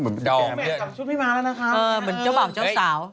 เหมือนเจ้าเหบะเจ้าสาว